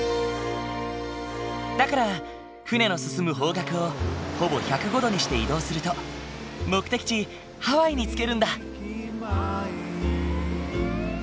だから船の進む方角をほぼ１０５度にして移動すると目的地ハワイに着けるんだ。